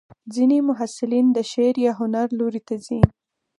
ځینې محصلین د شعر یا هنر لوري ته ځي.